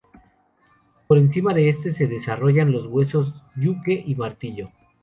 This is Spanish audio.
Por encima de este se desarrollan los huesos yunque y martillo.